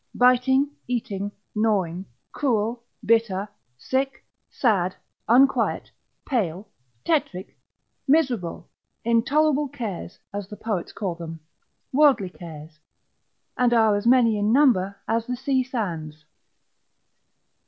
biting, eating, gnawing, cruel, bitter, sick, sad, unquiet, pale, tetric, miserable, intolerable cares, as the poets call them, worldly cares, and are as many in number as the sea sands.